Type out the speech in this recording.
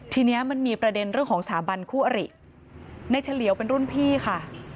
ทีนี้มันมีประเด็นเรื่องของสถาบันคู่อริในเฉลียวเป็นรุ่นพี่ค่ะ